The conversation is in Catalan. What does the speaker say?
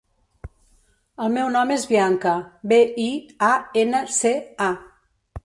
El meu nom és Bianca: be, i, a, ena, ce, a.